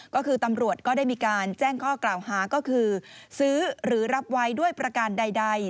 ก็คือตำรวจก็ได้มีการแจ้งข้อกล่าวหาก็คือซื้อหรือรับไว้ด้วยประการใด